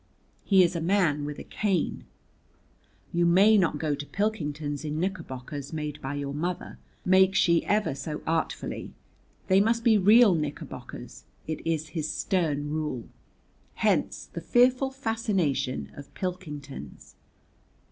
He is a man with a cane. You may not go to Pilkington's in knickerbockers made by your mother, make she ever so artfully. They must be real knickerbockers. It is his stern rule. Hence the fearful fascination of Pilkington's.